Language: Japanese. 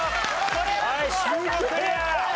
はい四国クリア！